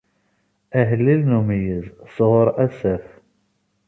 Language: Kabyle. Ahellil n umeyyez, sɣur Asaf.